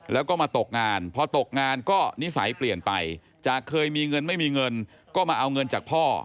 แล้วก็มาตกงานพอตกงานก็นิสัยเปลี่ยนไปจากเคยมีเงินไม่มีเงินก็มาเอาเงินจากพ่อ